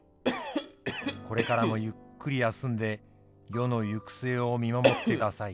これからもゆっくり休んで世の行く末を見守ってください。